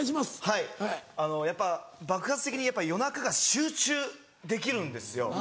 はいやっぱ爆発的にやっぱ夜中が集中できるんですよ。